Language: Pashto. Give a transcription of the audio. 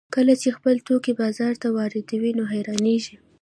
کله چې خپل توکي بازار ته واردوي نو حیرانېږي